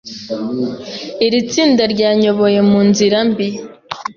iri tsinda ryanyoboye mu nzira mbi,